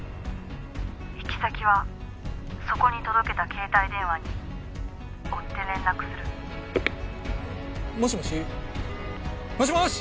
「行き先はそこに届けた携帯電話に追って連絡する」もしもし？もしもし！